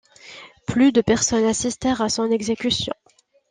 Plus de personnes assistèrent à son exécution.